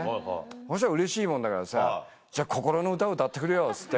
そしたらうれしいもんだからさ「心の歌を歌ってくれよ」っつって。